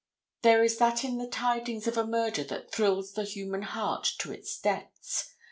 There is that in the tidings of a murder that thrills the human heart to its depths.